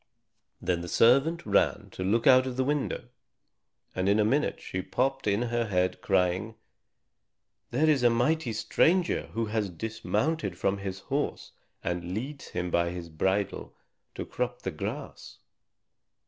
Then the servant ran to look out of the window, and in a minute she popped in her head, crying, "Here is a mighty stranger who has dismounted from his horse and leads him by the bridle to crop the grass."